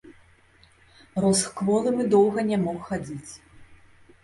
Рос кволым і доўга ня мог хадзіць.